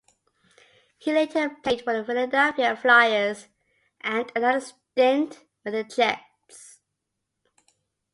He later played for the Philadelphia Flyers and another stint with the Jets.